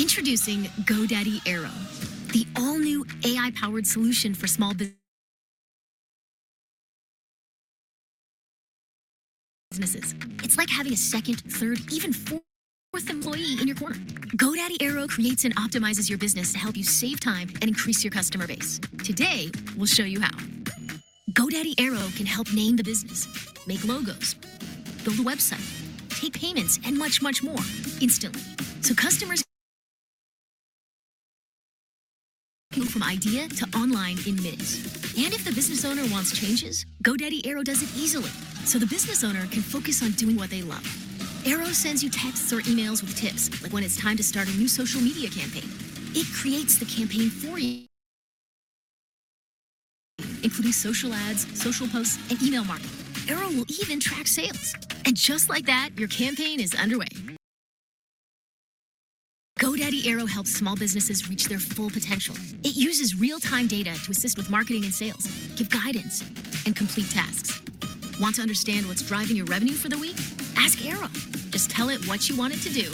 Introducing GoDaddy Airo, the all-new AI-powered solution for small businesses. It's like having a second, third, even fourth employee in your corner. GoDaddy Airo creates and optimizes your business to help you save time and increase your customer base. Today, we'll show you how. GoDaddy Airo can help name the business, make logos, build a website, take payments, and much, much more instantly. So, from idea to online in minutes. And if the business owner wants changes, GoDaddy Airo does it easily, so the business owner can focus on doing what they love. Airo sends you texts or emails with tips, like when it's time to start a new social media campaign. It creates the campaign for you, including social ads, social posts, and email marketing. Airo will even track sales, and just like that, your campaign is underway. GoDaddy Airo helps small businesses reach their full potential. It uses real-time data to assist with marketing and sales, give guidance, and complete tasks. Want to understand what's driving your revenue for the week? Ask Airo. Just tell it what you want it to do,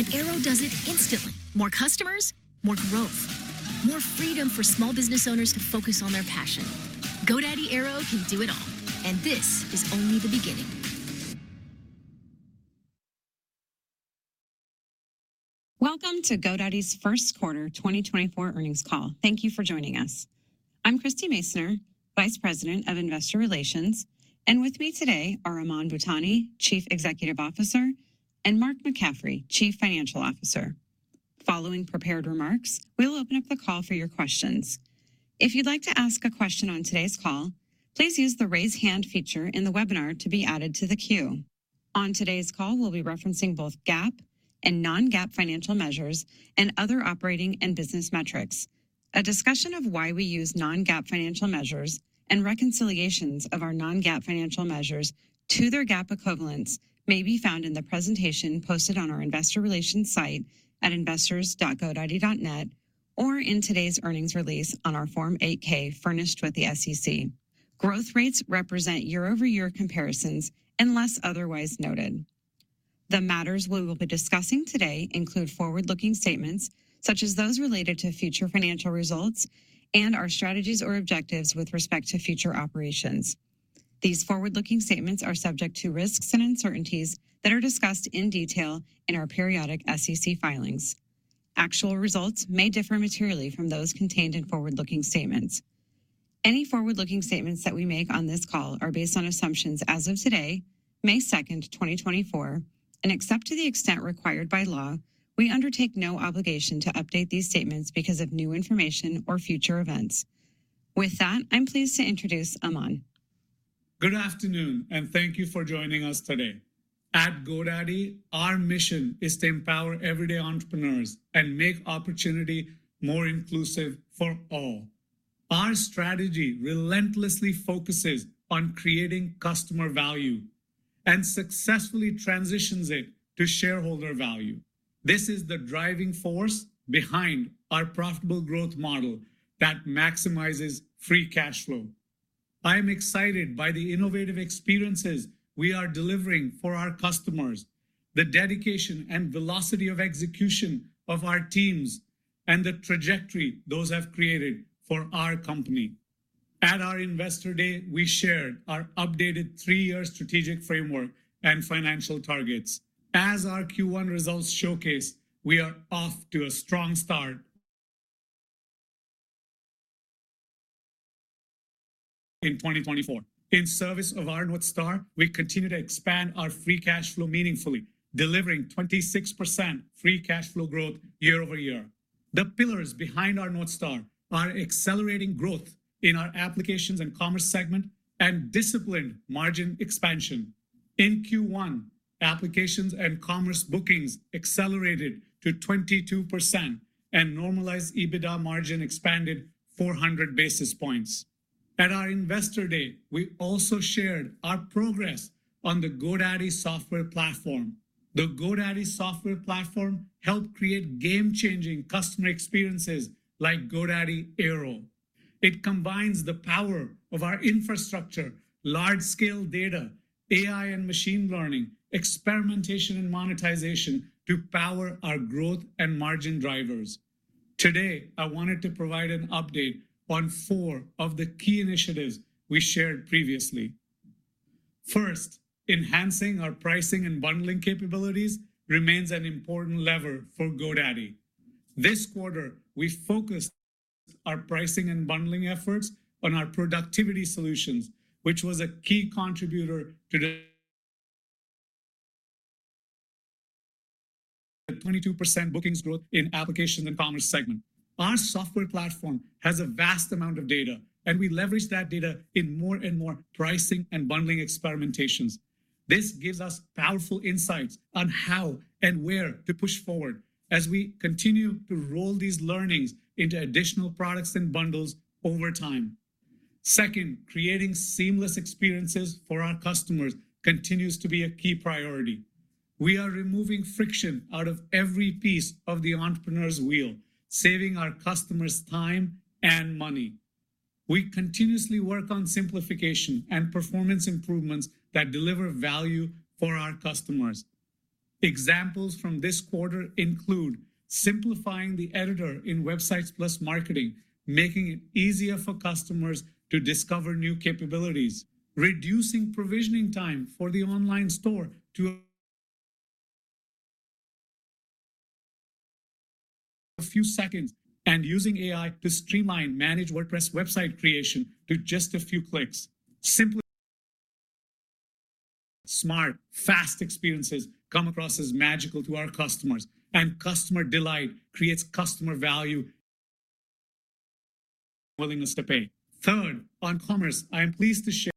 and Airo does it instantly. More customers, more growth, more freedom for small business owners to focus on their passion. GoDaddy Airo can do it all, and this is only the beginning. Welcome to GoDaddy's first quarter 2024 earnings call. Thank you for joining us. I'm Christie Masoner, Vice President of Investor Relations, and with me today are Aman Bhutani, Chief Executive Officer, and Mark McCaffrey, Chief Financial Officer. Following prepared remarks, we'll open up the call for your questions. If you'd like to ask a question on today's call, please use the Raise Hand feature in the webinar to be added to the queue. On today's call, we'll be referencing both GAAP and non-GAAP financial measures and other operating and business metrics. A discussion of why we use non-GAAP financial measures and reconciliations of our non-GAAP financial measures to their GAAP equivalents may be found in the presentation posted on our investor relations site at investors.godaddy.net or in today's earnings release on our Form 8-K furnished with the SEC. Growth rates represent year-over-year comparisons unless otherwise noted. The matters we will be discussing today include forward-looking statements, such as those related to future financial results and our strategies or objectives with respect to future operations. These forward-looking statements are subject to risks and uncertainties that are discussed in detail in our periodic SEC filings. Actual results may differ materially from those contained in forward-looking statements. Any forward-looking statements that we make on this call are based on assumptions as of today, May second, 2024, and except to the extent required by law, we undertake no obligation to update these statements because of new information or future events. With that, I'm pleased to introduce Aman. Good afternoon, and thank you for joining us today. At GoDaddy, our mission is to empower everyday entrepreneurs and make opportunity more inclusive for all. Our strategy relentlessly focuses on creating customer value and successfully transitions it to shareholder value. This is the driving force behind our profitable growth model that maximizes free cash flow. I am excited by the innovative experiences we are delivering for our customers, the dedication and velocity of execution of our teams, and the trajectory those have created for our company. At our Investor Day, we shared our updated three-year strategic framework and financial targets. As our Q1 results showcase, we are off to a strong start in 2024. In service of our North Star, we continue to expand our free cash flow meaningfully, delivering 26% free cash flow growth year-over-year. The pillars behind our North Star are accelerating growth in our Applications and Commerce segment and disciplined margin expansion. In Q1, Applications and Commerce bookings accelerated to 22%, and normalized EBITDA margin expanded 400 basis points. At our Investor Day, we also shared our progress on the GoDaddy software platform. The GoDaddy software platform helped create game-changing customer experiences like GoDaddy Airo. It combines the power of our infrastructure, large-scale data, AI and machine learning, experimentation and monetization to power our growth and margin drivers. Today, I wanted to provide an update on four of the key initiatives we shared previously. First, enhancing our pricing and bundling capabilities remains an important lever for GoDaddy. This quarter, we focused our pricing and bundling efforts on our Productivity Solutions, which was a key contributor to the 22% bookings growth in application and commerce segment. Our software platform has a vast amount of data, and we leverage that data in more and more pricing and bundling experimentations. This gives us powerful insights on how and where to push forward as we continue to roll these learnings into additional products and bundles over time. Second, creating seamless experiences for our customers continues to be a key priority. We are removing friction out of every piece of the entrepreneur's wheel, saving our customers time and money. We continuously work on simplification and performance improvements that deliver value for our customers. Examples from this quarter include simplifying the editor in Websites + Marketing, making it easier for customers to discover new capabilities, reducing provisioning time for the Online Store to a few seconds, and using AI to streamline Managed WordPress website creation to just a few clicks. Simple, smart, fast experiences come across as magical to our customers, and customer delight creates customer value, willingness to pay. Third, on commerce, I am pleased to share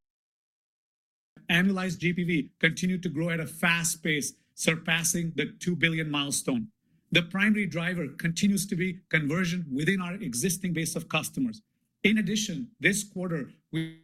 annualized GPV continued to grow at a fast pace, surpassing the $2 billion milestone. The primary driver continues to be conversion within our existing base of customers. In addition, this quarter, we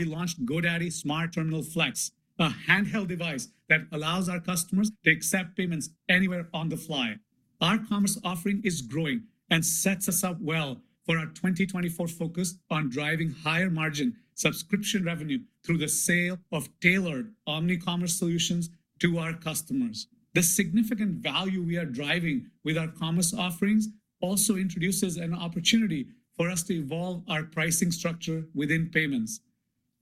launched GoDaddy Smart Terminal Flex, a handheld device that allows our customers to accept payments anywhere on the fly. Our commerce offering is growing and sets us up well for our 2024 focus on driving higher margin subscription revenue through the sale of tailored omni-commerce solutions to our customers. The significant value we are driving with our commerce offerings also introduces an opportunity for us to evolve our pricing structure within payments.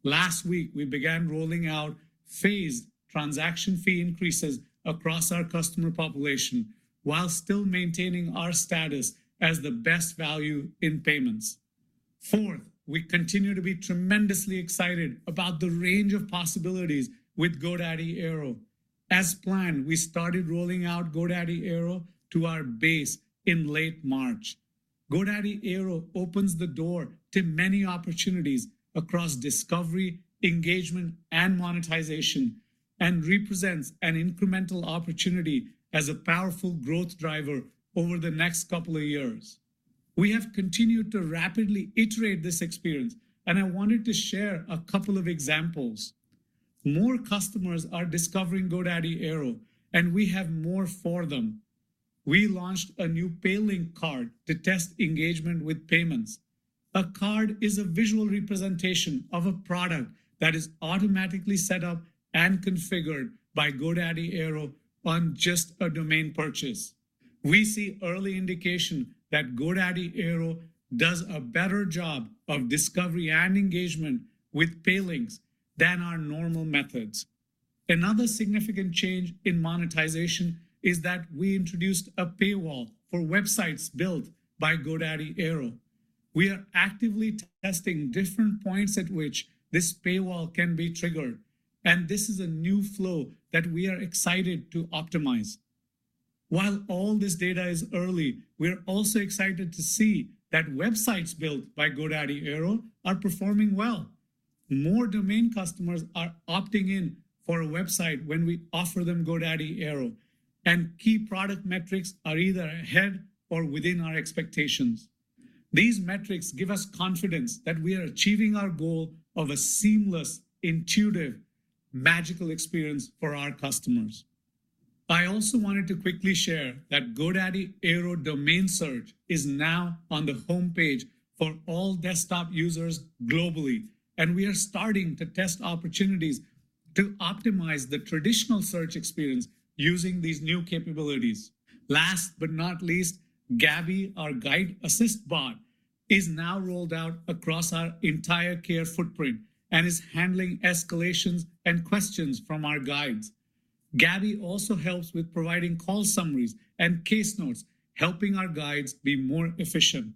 Last week, we began rolling out phased transaction fee increases across our customer population, while still maintaining our status as the best value in payments. Fourth, we continue to be tremendously excited about the range of possibilities with GoDaddy Airo. As planned, we started rolling out GoDaddy Airo to our base in late March. GoDaddy Airo opens the door to many opportunities across discovery, engagement, and monetization, and represents an incremental opportunity as a powerful growth driver over the next couple of years. We have continued to rapidly iterate this experience, and I wanted to share a couple of examples. More customers are discovering GoDaddy Airo, and we have more for them. We launched a new Pay Link card to test engagement with payments. A card is a visual representation of a product that is automatically set up and configured by GoDaddy Airo on just a domain purchase. We see early indication that GoDaddy Airo does a better job of discovery and engagement with Pay Links than our normal methods. Another significant change in monetization is that we introduced a paywall for websites built by GoDaddy Airo. We are actively testing different points at which this paywall can be triggered, and this is a new flow that we are excited to optimize. While all this data is early, we're also excited to see that websites built by GoDaddy Airo are performing well. More domain customers are opting in for a website when we offer them GoDaddy Airo, and key product metrics are either ahead or within our expectations. These metrics give us confidence that we are achieving our goal of a seamless, intuitive, magical experience for our customers. I also wanted to quickly share that GoDaddy Airo domain search is now on the homepage for all desktop users globally, and we are starting to test opportunities to optimize the traditional search experience using these new capabilities. Last but not least, Gabby, our guide assist bot, is now rolled out across our entire care footprint and is handling escalations and questions from our Guides. Gabby also helps with providing call summaries and case notes, helping our Guides be more efficient.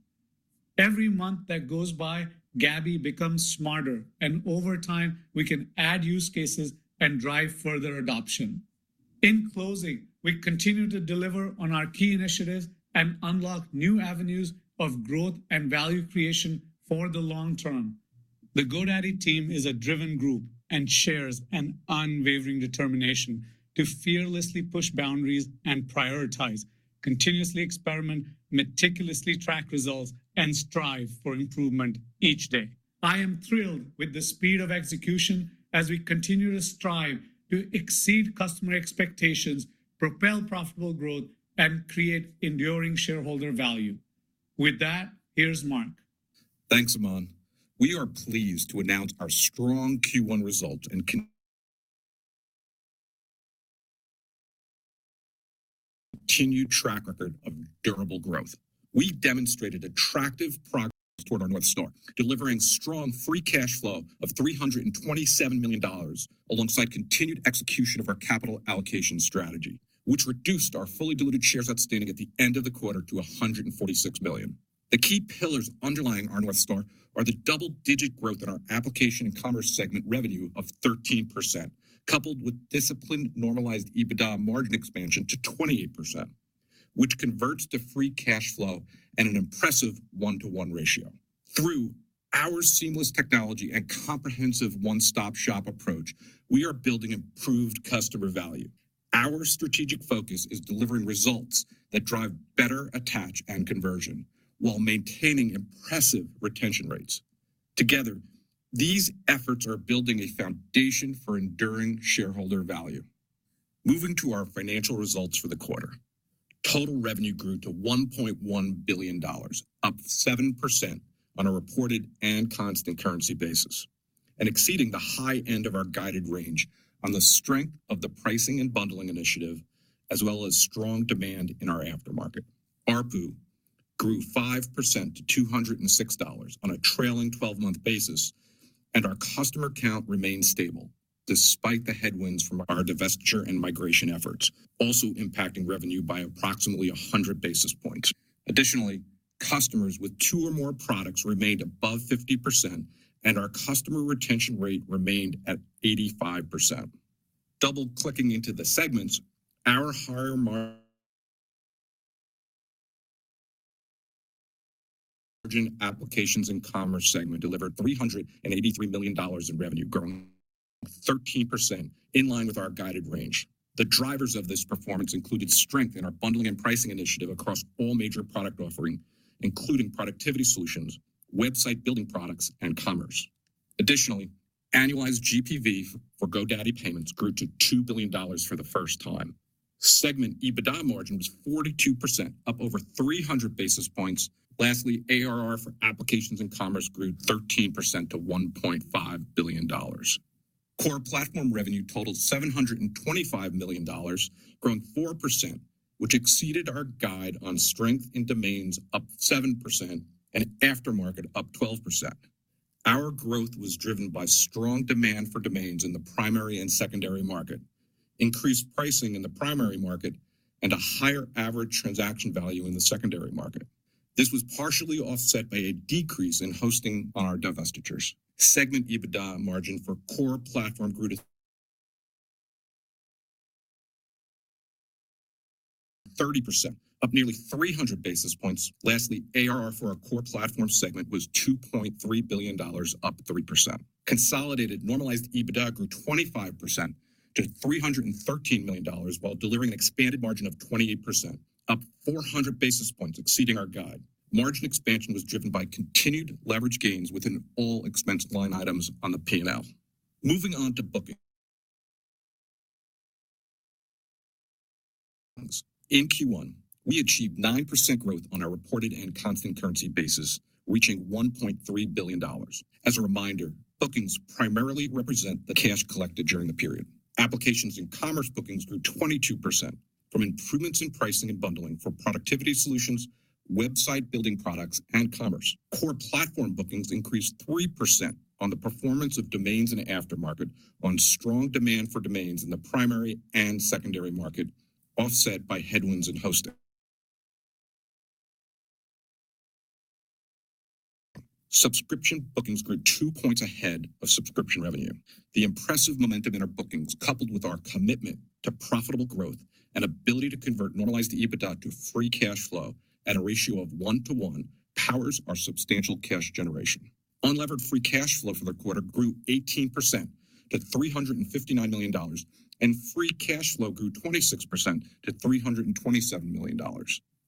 Every month that goes by, Gabby becomes smarter, and over time, we can add use cases and drive further adoption. In closing, we continue to deliver on our key initiatives and unlock new avenues of growth and value creation for the long-term. The GoDaddy team is a driven group and shares an unwavering determination to fearlessly push boundaries and prioritize, continuously experiment, meticulously track results, and strive for improvement each day. I am thrilled with the speed of execution as we continue to strive to exceed customer expectations, propel profitable growth, and create enduring shareholder value. With that, here's Mark. Thanks, Aman. We are pleased to announce our strong Q1 results and continued track record of durable growth. We demonstrated attractive progress toward our North Star, delivering strong free cash flow of $327 million, alongside continued execution of our capital allocation strategy, which reduced our fully diluted shares outstanding at the end of the quarter to 146 million. The key pillars underlying our North Star are the double-digit growth in our application and commerce segment revenue of 13%, coupled with disciplined, normalized EBITDA margin expansion to 28%, which converts to free cash flow at an impressive 1:1 ratio. Through our seamless technology and comprehensive one-stop-shop approach, we are building improved customer value. Our strategic focus is delivering results that drive better attach and conversion while maintaining impressive retention rates. Together, these efforts are building a foundation for enduring shareholder value. Moving to our financial results for the quarter. Total revenue grew to $1.1 billion, up 7% on a reported and constant currency basis, and exceeding the high end of our guided range on the strength of the pricing and bundling initiative, as well as strong demand in our Aftermarket. ARPU grew 5% to $206 on a trailing 12 month basis, and our customer count remained stable despite the headwinds from our divestiture and migration efforts, also impacting revenue by approximately 100 basis points. Additionally, customers with two or more products remained above 50%, and our customer retention rate remained at 85%. Double-clicking into the segments, our higher-margin Applications and Commerce segment delivered $383 million in revenue, growing 13% in line with our guided range. The drivers of this performance included strength in our bundling and pricing initiative across all major product offering, including Productivity Solutions, website building products, and commerce. Additionally, annualized GPV for GoDaddy Payments grew to $2 billion for the first time. Segment EBITDA margin was 42%, up over 300 basis points. Lastly, ARR for Applications and Commerce grew 13% to $1.5 billon. Core Platform revenue totaled $725 million, growing 4%, which exceeded our guide on strength in domains up 7% and Aftermarket up 12%. Our growth was driven by strong demand for domains in the primary and secondary market, increased pricing in the primary market, and a higher average transaction value in the secondary market. This was partially offset by a decrease in hosting on our divestitures. Segment EBITDA margin Core Platform grew to 30%, up nearly 300 basis points. Lastly, ARR for Core Platform segment was $2.3 billion, up 3%. Consolidated normalized EBITDA grew 25% to $313 million, while delivering an expanded margin of 28%, up 400 basis points, exceeding our guide. Margin expansion was driven by continued leverage gains within all expense line items on the P&L. Moving on to bookings. In Q1, we achieved 9% growth on our reported and constant currency basis, reaching $1.3 billion. As a reminder, bookings primarily represent the cash collected during the period. Applications and Commerce bookings grew 22% from improvements in pricing and bundling for Productivity Solutions, website building products, and commerce. Core Platform bookings increased 3% on the performance of domains and Aftermarket on strong demand for domains in the primary and secondary market, offset by headwinds in hosting. Subscription bookings grew 2 points ahead of subscription revenue. The impressive momentum in our bookings, coupled with our commitment to profitable growth and ability to convert normalized EBITDA to free cash flow at a ratio of 1:1, powers our substantial cash generation. Unlevered Free Cash Flow for the quarter grew 18% to $359 million, and free cash flow grew 26% to $327 million.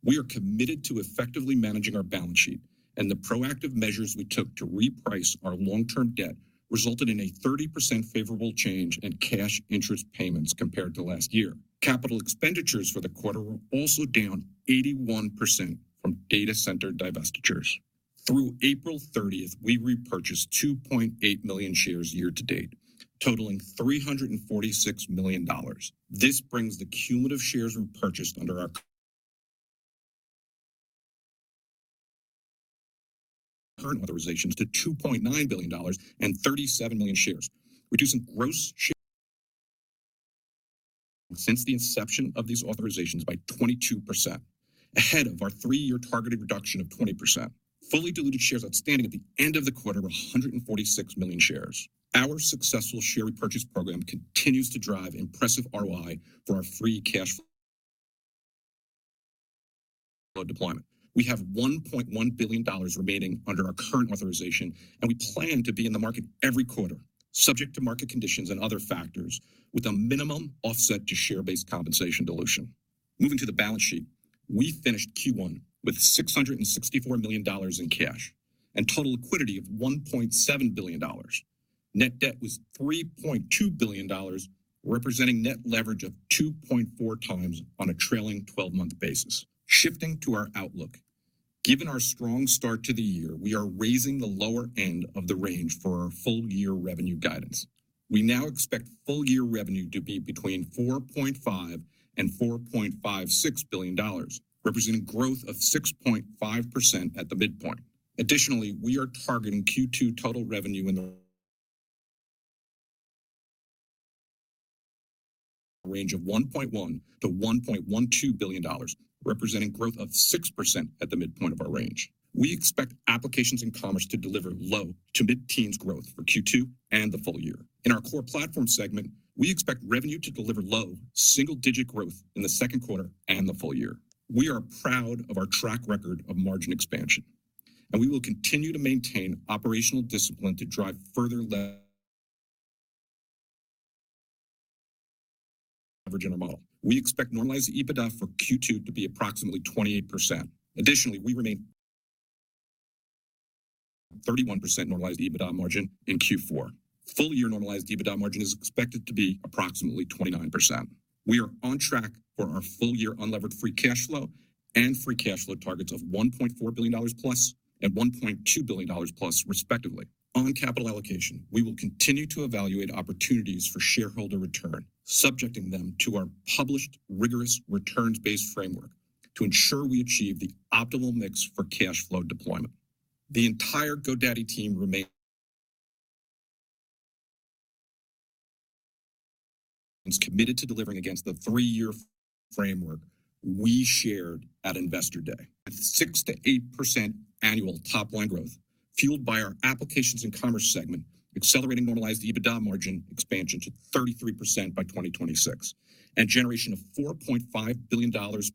We are committed to effectively managing our balance sheet, and the proactive measures we took to reprice our long-term debt resulted in a 30% favorable change in cash interest payments compared to last year. Capital expenditures for the quarter were also down 81% from data center divestitures. Through April 30th, we repurchased 2.8 million shares year to date, totaling $346 million. This brings the cumulative shares repurchased under our current authorizations to $2.9 billion and 37 million shares, reducing gross shares since the inception of these authorizations by 22%, ahead of our three year targeted reduction of 20%. Fully diluted shares outstanding at the end of the quarter were 146 million shares. Our successful share repurchase program continues to drive impressive ROI for our free cash flow deployment. We have $1.1 billion remaining under our current authorization, and we plan to be in the market every quarter, subject to market conditions and other factors, with a minimum offset to share-based compensation dilution. Moving to the balance sheet, we finished Q1 with $664 million in cash and total liquidity of $1.7 billion. Net debt was $3.2 billion, representing net leverage of 2.4x on a trailing twelve-month basis. Shifting to our outlook. Given our strong start to the year, we are raising the lower end of the range for our full-year revenue guidance. We now expect full-year revenue to be between $4.5 billion-$4.56 billion, representing growth of 6.5% at the midpoint. Additionally, we are targeting Q2 total revenue in the range of $1.1 billion-$1.12 billion, representing growth of 6% at the midpoint of our range. We expect Applications and Commerce to deliver low to mid-teens growth for Q2 and the full year. In Core Platform segment, we expect revenue to deliver low single-digit growth in the second quarter and the full year. We are proud of our track record of margin expansion, and we will continue to maintain operational discipline to drive further leverage in our model. We expect normalized EBITDA for Q2 to be approximately 28%. Additionally, 31% normalized EBITDA margin in Q4. Full year normalized EBITDA margin is expected to be approximately 29%. We are on track for our full year Unlevered Free Cash Flow and free cash flow targets of $1.4 billion+ and $1.2 billion+ respectively. On capital allocation, we will continue to evaluate opportunities for shareholder return, subjecting them to our published rigorous returns-based framework to ensure we achieve the optimal mix for cash flow deployment. The entire GoDaddy team remains committed to delivering against the three-year framework we shared at Investor Day. 6%-8% annual top line growth, fueled by our Applications and Commerce segment, accelerating normalized EBITDA margin expansion to 33% by 2026, and generation of $4.5 billion+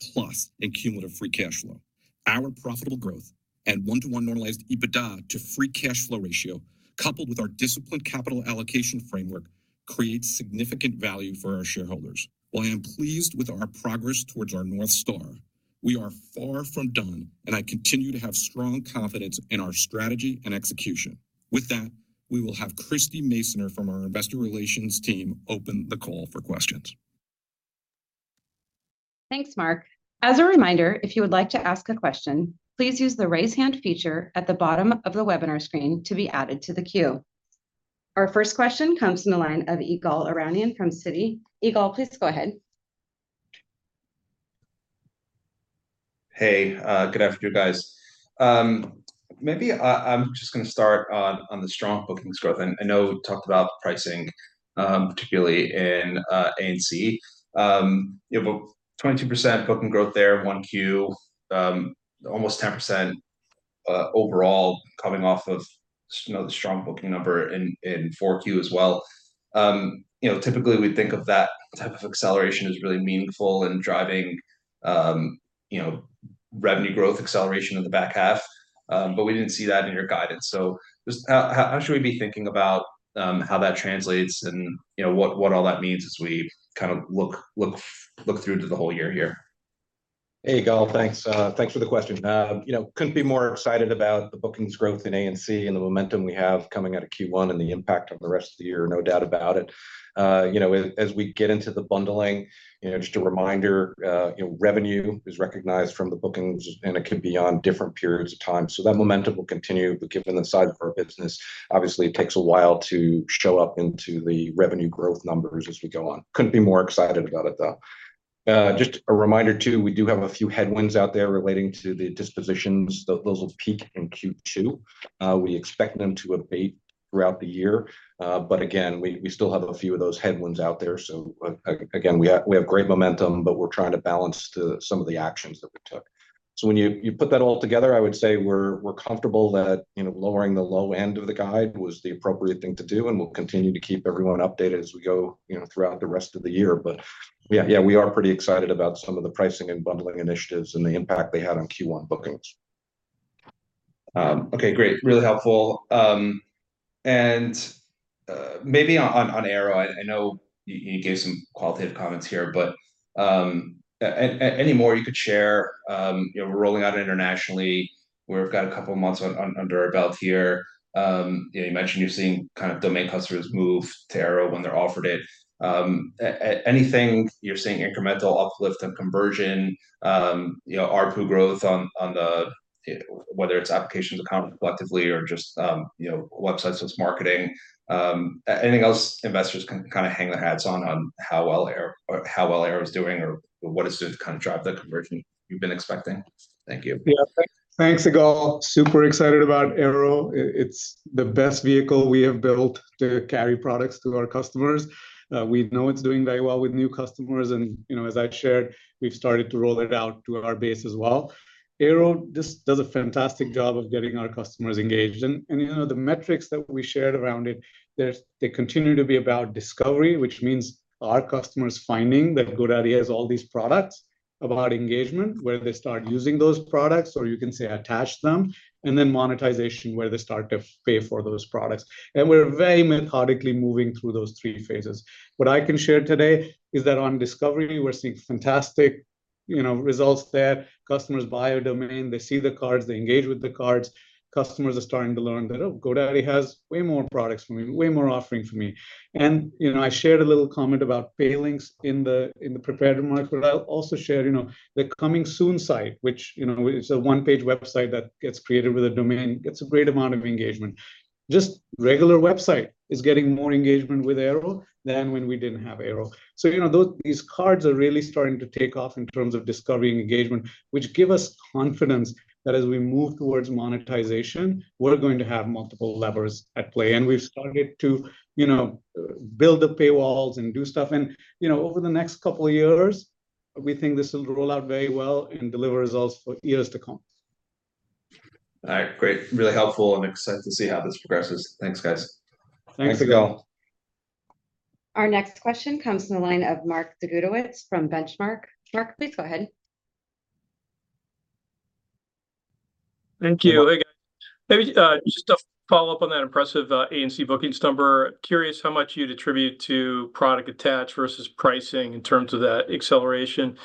in cumulative free cash flow. Our profitable growth and 1:1 Normalized EBITDA to free cash flow ratio, coupled with our disciplined capital allocation framework, creates significant value for our shareholders. While I am pleased with our progress towards our North Star, we are far from done, and I continue to have strong confidence in our strategy and execution. With that, we will have Christie Masoner from our Investor Relations team open the call for questions. Thanks, Mark. As a reminder, if you would like to ask a question, please use the Raise Hand feature at the bottom of the webinar screen to be added to the queue. Our first question comes from the line of Ygal Arounian from Citi. Ygal, please go ahead. Hey, good afternoon, guys. Maybe I'm just gonna start on the strong bookings growth. And I know we talked about pricing, particularly in A&C. You have a 22% booking growth there, 1Q, almost 10% overall coming off of, you know, the strong booking number in 4Q as well. You know, typically we think of that type of acceleration as really meaningful in driving, you know, revenue growth acceleration in the back half. But we didn't see that in your guidance. So just how should we be thinking about how that translates and, you know, what all that means as we kind of look through to the whole year here? Hey, Ygal. Thanks, thanks for the question. You know, couldn't be more excited about the bookings growth in A&C and the momentum we have coming out of Q1 and the impact on the rest of the year, no doubt about it. You know, as we get into the bundling, you know, just a reminder, you know, revenue is recognized from the bookings, and it can be on different periods of time. So that momentum will continue, but given the size of our business, obviously, it takes a while to show up into the revenue growth numbers as we go on. Couldn't be more excited about it, though. Just a reminder, too, we do have a few headwinds out there relating to the dispositions. Those will peak in Q2. We expect them to abate throughout the year, but again, we still have a few of those headwinds out there. So again, we have great momentum, but we're trying to balance some of the actions that we took. So when you put that all together, I would say we're comfortable that, you know, lowering the low end of the guide was the appropriate thing to do, and we'll continue to keep everyone updated as we go, you know, throughout the rest of the year. But yeah, we are pretty excited about some of the pricing and bundling initiatives and the impact they had on Q1 bookings. Okay, great. Really helpful. And, maybe on Airo, I know you gave some qualitative comments here, but, any more you could share? You know, we're rolling out internationally. We've got a couple of months under our belt here. You know, you mentioned you're seeing kind of domain customers move to Airo when they're offered it. Anything you're seeing incremental uplift and conversion, you know, ARPU growth on, on the, whether it's applications or A&C collectively or just, you know, Websites + Marketing. Anything else investors can kind of hang their hats on, on how well Airo or how well Airo is doing or what it's doing to kind of drive that conversion you've been expecting? Thank you. Yeah. Thanks, Ygal. Super excited about Airo. It, it's the best vehicle we have built to carry products to our customers. We know it's doing very well with new customers, and, you know, as I shared, we've started to roll it out to our base as well. Airo just does a fantastic job of getting our customers engaged. And, you know, the metrics that we shared around it, they continue to be about discovery, which means our customers finding that GoDaddy has all these products, about engagement, where they start using those products, or you can say attach them, and then monetization, where they start to pay for those products. And we're very methodically moving through those three phases. What I can share today is that on discovery, we're seeing fantastic, you know, results there. Customers buy a domain, they see the cards, they engage with the cards. Customers are starting to learn that, oh, GoDaddy has way more products for me, way more offerings for me. And, you know, I shared a little comment about Pay Links in the, in the prepared remarks, but I'll also share, you know, the Coming Soon site, which, you know, it's a one-page website that gets created with a domain, gets a great amount of engagement. Just regular website is getting more engagement with Airo than when we didn't have Airo. So, you know, these cards are really starting to take off in terms of discovery and engagement, which give us confidence that as we move towards monetization, we're going to have multiple levers at play. And we've started to, you know, build the paywalls and do stuff. You know, over the next couple of years, we think this will roll out very well and deliver results for years to come. All right, great. Really helpful, and excited to see how this progresses. Thanks, guys. Thanks, Ygal. Thanks, Ygal. Our next question comes from the line of Mark Zgutowicz from Benchmark. Mark, please go ahead. Thank you. Hey, guys. Maybe, just to follow-up on that impressive, A&C bookings number, curious how much you'd attribute to product attach versus pricing in terms of that acceleration?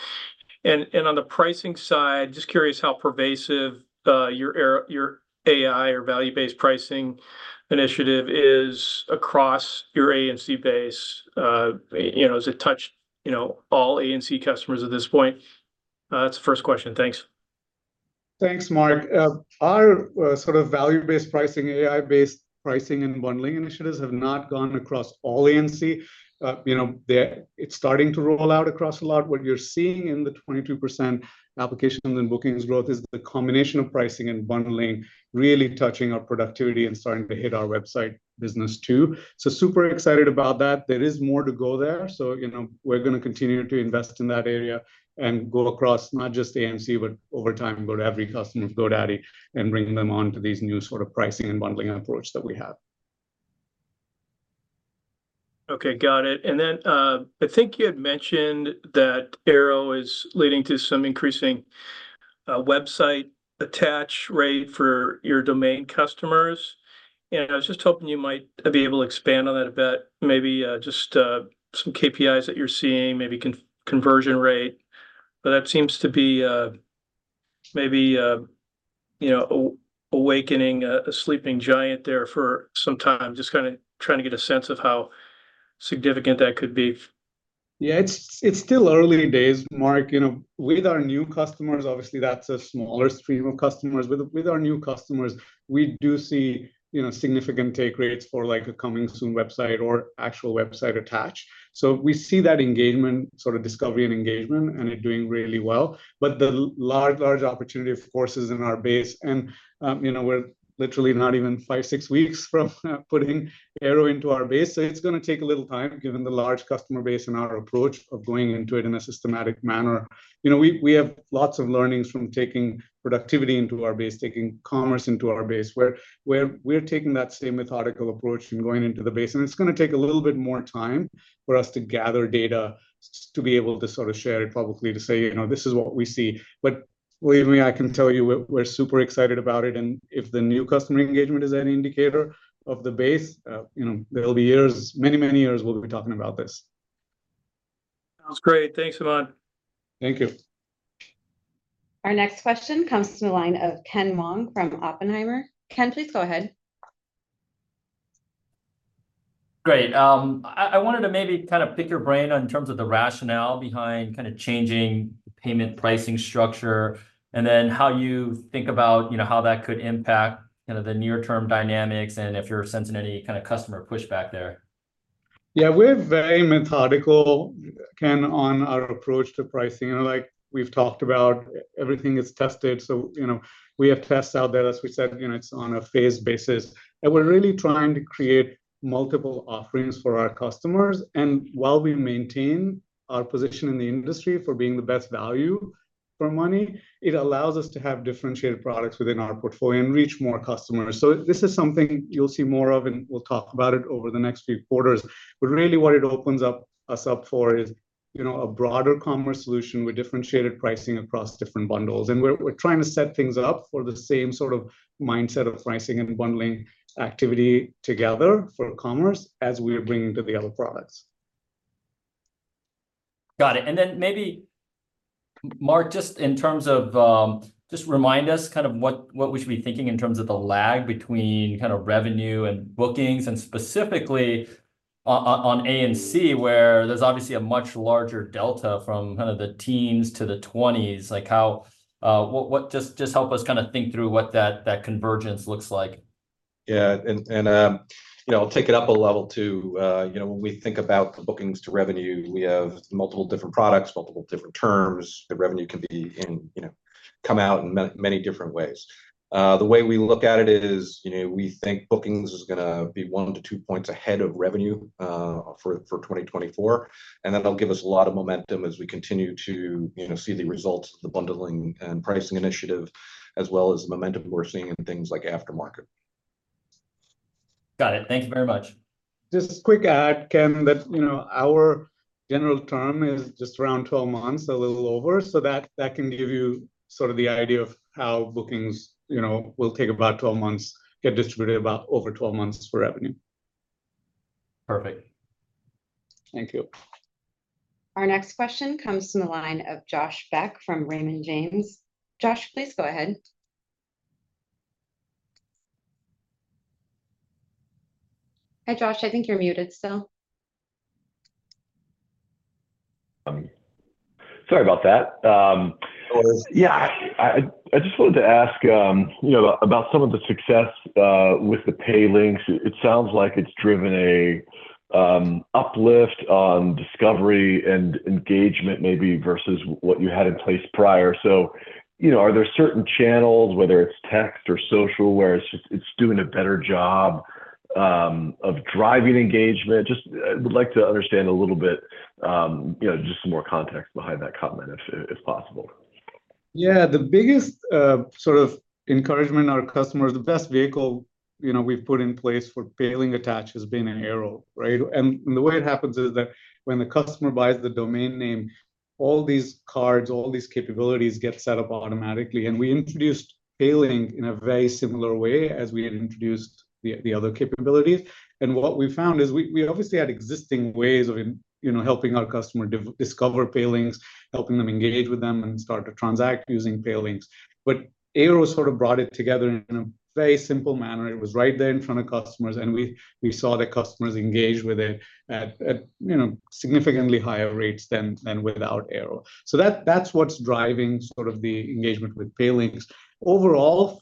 And on the pricing side, just curious how pervasive your Airo—your AI or value-based pricing initiative is across your A&C base. You know, does it touch, you know, all A&C customers at this point? That's the first question. Thanks. Thanks, Mark. Our sort of value-based pricing, AI-based pricing and bundling initiatives have not gone across all A&C. You know, it's starting to roll out across a lot. What you're seeing in the 22% applications and bookings growth is the combination of pricing and bundling really touching our productivity and starting to hit our website business, too. So super excited about that. There is more to go there, so, you know, we're gonna continue to invest in that area and go across not just A&C, but over time, go to every customer of GoDaddy and bring them onto these new sort of pricing and bundling approach that we have. Okay, got it. And then, I think you had mentioned that Airo is leading to some increasing, website attach rate for your domain customers, and I was just hoping you might be able to expand on that a bit. Maybe, just, some KPIs that you're seeing, maybe conversion rate, but that seems to be, maybe, you know, awakening a sleeping giant there for some time. Just kind a trying to get a sense of how significant that could be. Yeah, it's still early days, Mark. You know, with our new customers, obviously, that's a smaller stream of customers. With our new customers, we do see, you know, significant take rates for, like, a coming soon website or actual website attach. So we see that engagement, sort of discovery and engagement, and it doing really well, but the large opportunity, of course, is in our base, and, you know, we're literally not even five, six weeks from putting Airo into our base. So it's gonna take a little time, given the large customer base and our approach of going into it in a systematic manner. You know, we have lots of learnings from taking productivity into our base, taking commerce into our base. We're taking that same methodical approach from going into the base, and it's gonna take a little bit more time for us to gather data to be able to sort of share it publicly to say, "You know, this is what we see." But believe me, I can tell you, we're super excited about it, and if the new customer engagement is any indicator of the base, you know, there'll be years, many, many years we'll be talking about this. Sounds great. Thanks, Aman. Thank you. Our next question comes from the line of Ken Wong from Oppenheimer. Ken, please go ahead. Great. I wanted to maybe kind of pick your brain in terms of the rationale behind kind of changing payment pricing structure, and then how you think about, you know, how that could impact, you know, the near-term dynamics and if you're sensing any kind of customer pushback there. Yeah, we're very methodical, Ken, on our approach to pricing, and like we've talked about, everything is tested. So, you know, we have tests out there, as we said, you know, it's on a phased basis, and we're really trying to create multiple offerings for our customers. And while we maintain our position in the industry for being the best value for money, it allows us to have differentiated products within our portfolio and reach more customers. So this is something you'll see more of, and we'll talk about it over the next few quarters. But really, what it opens us up for is, you know, a broader commerce solution with differentiated pricing across different bundles. And we're trying to set things up for the same sort of mindset of pricing and bundling activity together for commerce as we bring to the other products. Got it, and then maybe Mark, just in terms of, just remind us kind of what we should be thinking in terms of the lag between kind of revenue and bookings, and specifically on A&C, where there's obviously a much larger delta from kind of the teens to the twenties. Like, how. What, just help us kind of think through what that convergence looks like. Yeah, and, you know, I'll take it up a level, too. You know, when we think about the bookings to revenue, we have multiple different products, multiple different terms. The revenue can be in, you know, come out in many different ways. The way we look at it is, you know, we think bookings is gonna be 1-2 points ahead of revenue, for 2024, and that'll give us a lot of momentum as we continue to, you know, see the results of the bundling and pricing initiative, as well as the momentum we're seeing in things like Aftermarket. Got it. Thank you very much. Just a quick add, Ken, that, you know, our general term is just around 12 months, a little over, so that, that can give you sort of the idea of how bookings, you know, will take about 12 months, get distributed about over 12 months for revenue. Perfect. Thank you. Our next question comes from the line of Josh Beck from Raymond James. Josh, please go ahead. Hi, Josh, I think you're muted still. Sorry about that. Yeah, I just wanted to ask, you know, about some of the success with the Pay Links. It sounds like it's driven an uplift on discovery and engagement maybe versus what you had in place prior. So, you know, are there certain channels, whether it's text or social, where it's just, it's doing a better job of driving engagement? Just, would like to understand a little bit, you know, just some more context behind that comment if possible. Yeah, the biggest, sort of encouragement our customers. The best vehicle, you know, we've put in place for failing attach has been Airo, right? And the way it happens is that when the customer buys the domain name, all these cards, all these capabilities get set up automatically, and we introduced Pay Link in a very similar way as we had introduced the other capabilities. And what we found is we obviously had existing ways of, you know, helping our customer discover Pay Links, helping them engage with them, and start to transact using Pay Links. But Airo sort of brought it together in a very simple manner. It was right there in front of customers, and we saw the customers engage with it at, you know, significantly higher rates than without Airo. So that, that's what's driving sort of the engagement with Pay Links. Overall,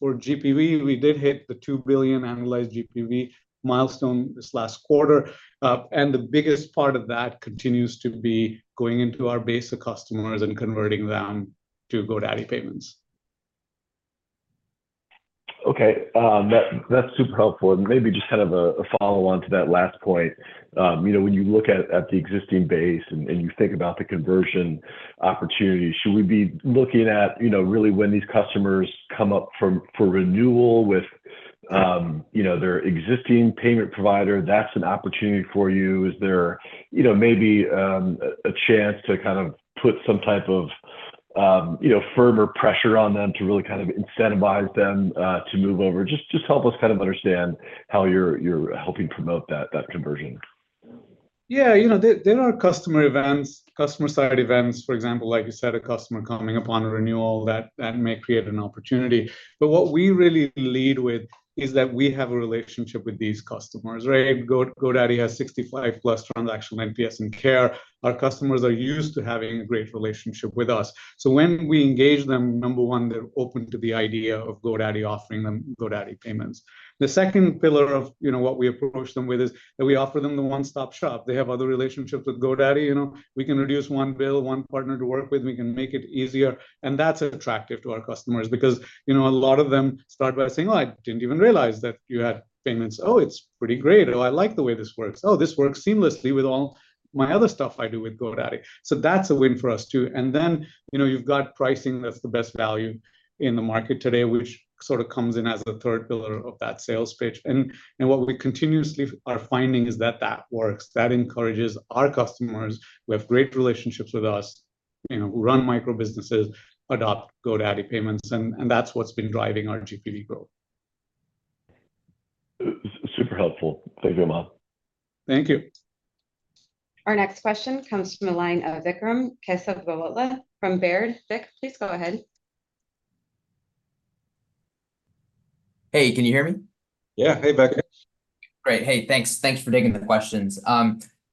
for GPV, we did hit the $2 billion annualized GPV milestone this last quarter. And the biggest part of that continues to be going into our base of customers and converting them to GoDaddy Payments. Okay, that, that's super helpful, and maybe just kind of a follow-on to that last point. You know, when you look at the existing base and you think about the conversion opportunities, should we be looking at, you know, really when these customers come up for renewal with, you know, their existing payment provider, that's an opportunity for you? Is there, you know, maybe a chance to kind of put some type of, you know, firmer pressure on them to really kind of incentivize them to move over? Just help us kind of understand how you're helping promote that conversion. Yeah, you know, there are customer events, customer-side events, for example, like you said, a customer coming upon a renewal, that may create an opportunity. But what we really lead with is that we have a relationship with these customers, right? GoDaddy has 65+ transactional NPS in care. Our customers are used to having a great relationship with us. So when we engage them, number one, they're open to the idea of GoDaddy offering them GoDaddy payments. The second pillar of, you know, what we approach them with is that we offer them the one-stop shop. They have other relationships with GoDaddy, you know? We can reduce one bill, one partner to work with, we can make it easier, and that's attractive to our customers. Because, you know, a lot of them start by saying, "Oh, I didn't even realize that you had payments. Oh, it's pretty great. Oh, I like the way this works. Oh, this works seamlessly with all my other stuff I do with GoDaddy." So that's a win for us, too. And then, you know, you've got pricing that's the best value in the market today, which sort of comes in as the third pillar of that sales pitch. And, and what we continuously are finding is that that works. That encourages our customers who have great relationships with us, you know, who run micro businesses, adopt GoDaddy Payments, and, and that's what's been driving our GPV growth. Super helpful. Thank you, Aman. Thank you. Our next question comes from the line of Vikram Kesavabhotla from Baird. Vik, please go ahead. Hey, can you hear me? Yeah. Hey, Vik. Great. Hey, thanks, thanks for taking the questions.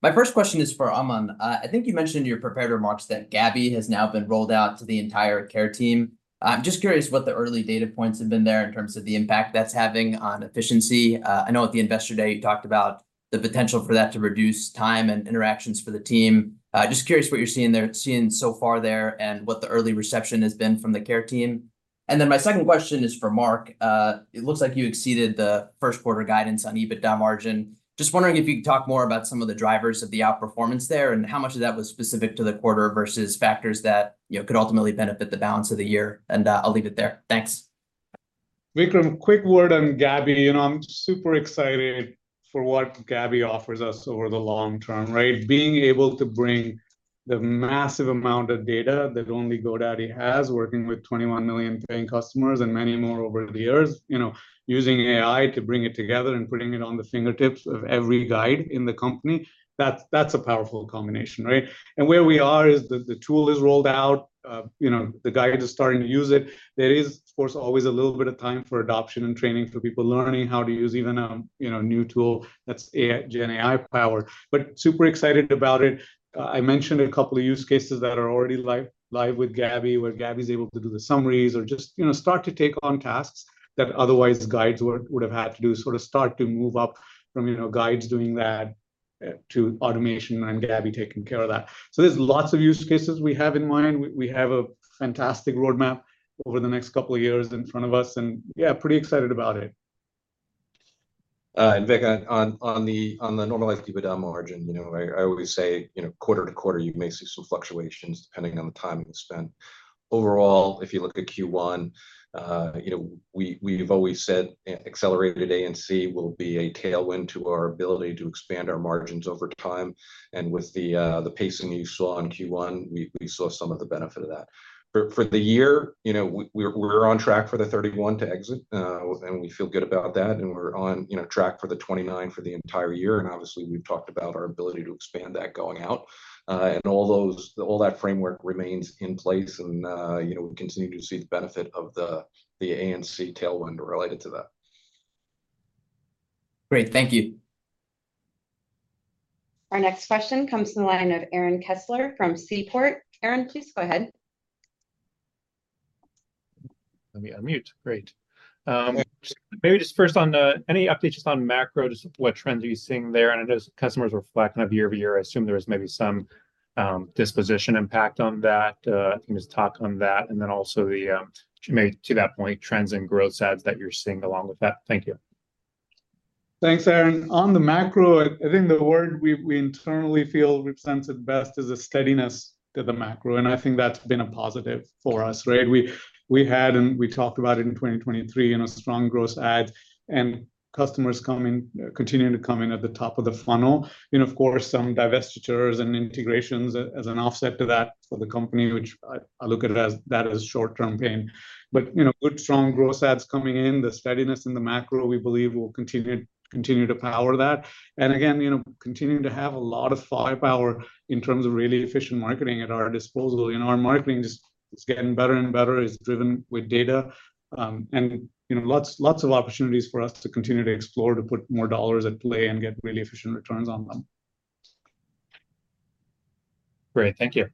My first question is for Aman. I think you mentioned in your prepared remarks that Gabby has now been rolled out to the entire care team. I'm just curious what the early data points have been there in terms of the impact that's having on efficiency. I know at the Investor Day, you talked about the potential for that to reduce time and interactions for the team. Just curious what you're seeing there, seeing so far there and what the early reception has been from the care team. And then my second question is for Mark. It looks like you exceeded the first quarter guidance on EBITDA margin. Just wondering if you could talk more about some of the drivers of the outperformance there, and how much of that was specific to the quarter versus factors that, you know, could ultimately benefit the balance of the year? And, I'll leave it there. Thanks. Vikram, quick word on Gabby. You know, I'm super excited for what Gabby offers us over the long-term, right? Being able to bring the massive amount of data that only GoDaddy has, working with 21 million paying customers and many more over the years, you know, using AI to bring it together and putting it on the fingertips of every guide in the company, that, that's a powerful combination, right? And where we are is the tool is rolled out. You know, the guide is starting to use it. There is, of course, always a little bit of time for adoption and training for people learning how to use even a, you know, new tool that's AI, GenAI-powered, but super excited about it. I mentioned a couple of use cases that are already live, live with Gabby, where Gabby's able to do the summaries or just, you know, start to take on tasks that otherwise Guides would have had to do. Sort of start to move up from, you know, Guides doing that to automation and Gabby taking care of that. So there's lots of use cases we have in mind. We have a fantastic roadmap over the next couple of years in front of us, and yeah, pretty excited about it. Vik, on the normalized EBITDA margin, you know, I always say, you know, quarter to quarter, you may see some fluctuations depending on the time you spend. Overall, if you look at Q1, you know, we've always said accelerated A&C will be a tailwind to our ability to expand our margins over time, and with the pacing you saw in Q1, we saw some of the benefit of that. But for the year, you know, we're on track for the 31% exit, and we feel good about that, and we're on track for the 29% for the entire year, and obviously, we've talked about our ability to expand that going out. All that framework remains in place and, you know, we continue to see the benefit of the A&C tailwind related to that. Great. Thank you. Our next question comes from the line of Aaron Kessler from Seaport. Aaron, please go ahead. Let me unmute. Great. Maybe just first on the. Any updates just on macro, just what trends are you seeing there? And I know customers were flat kind of year-over-year. I assume there was maybe some disposition impact on that. If you can just talk on that, and then also the you made to that point, trends and growth sides that you're seeing along with that. Thank you. Thanks, Aaron. On the macro, I think the word we internally feel represents it best is a steadiness to the macro, and I think that's been a positive for us, right? We had, and we talked about it in 2023, you know, strong growth and customers continuing to come in at the top of the funnel. You know, of course, some divestitures and integrations as an offset to that for the company, which I look at as short-term gain. But, you know, good, strong growth and customers coming in, the steadiness in the macro, we believe will continue to power that. And again, you know, continuing to have a lot of firepower in terms of really efficient marketing at our disposal. You know, our marketing is getting better and better, it's driven with data, and, you know, lots, lots of opportunities for us to continue to explore, to put more dollars at play and get really efficient returns on them. Great, thank you.